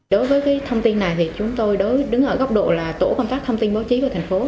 đối với thông tin này thì chúng tôi đứng ở góc độ là tổ công tác thông tin báo chí của thành phố